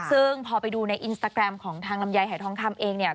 ซึ่งพอไปดูในอินสตาแกรมของทางลำไยหายทองคำเองเนี่ย